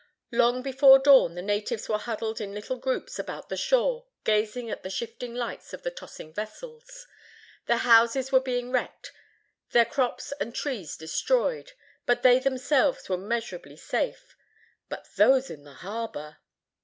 Long before dawn the natives were huddled in little groups about the shore, gazing at the shifting lights of the tossing vessels. Their houses were being wrecked, their crops and trees destroyed, but they themselves were measurably safe. But those in the harbor!